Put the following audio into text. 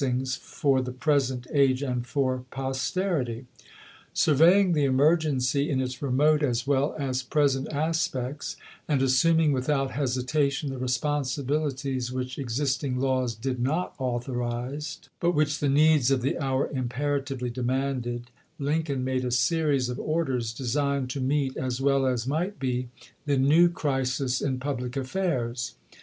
'"" ings, for the present age and for posterity." Surveying the emergency in its remote as well as present aspects, and assuming without hesita tion the responsibilities which existing laws did not authorize, but which the needs of the hour imperatively demanded, Lincoln made a series of orders designed to meet, as well as might be, the new crisis in public affairs.